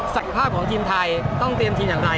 ภาพของทีมไทยต้องเตรียมทีมอย่างไร